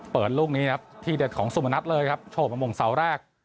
เปิดลูกนี้นะครับที่เด็ดของสุมนัทเลยครับโชคมาหมงเสาแรก